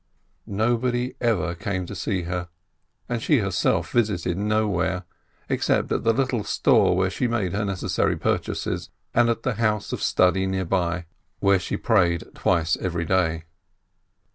Nobody ever came to see her, and she herself visited nowhere, except at the little store where she made her necessary purchases, and at the house of study near by, where she prayed twice every day.